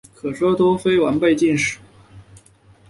可说都非完备的晋史。